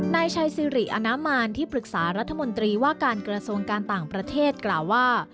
นายชัยสิริอนามารที่ปรึกษารัฐมนตรีว่าการกระทรวงการต่างประเทศกล่าวว่า